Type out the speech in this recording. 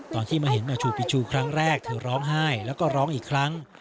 ตอนที่มาเห็นแม่ชูปิชูครั้งแรกเธอร้องไห้แล้วก็ร้องอีกครั้ง